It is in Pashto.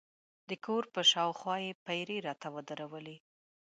د کور پر شاوخوا یې پیرې راته ودرولې.